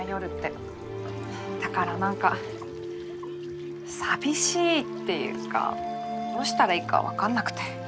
だから何か寂しいっていうかどうしたらいいか分かんなくて。